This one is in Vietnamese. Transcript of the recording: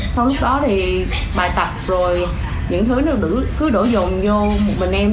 sau lúc đó thì bài tập rồi những thứ nó cứ đổ dồn vô một mình em